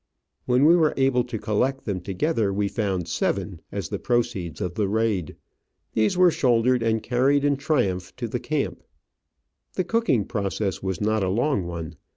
When we were able to collect them together we found seven as the proceeds of the raid. These were shouldered and carried in triumph to the camp. The cooking process was not a long one.